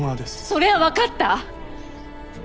それはわかった！